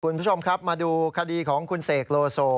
คุณผู้ชมครับมาดูคดีของคุณเสกโลโซ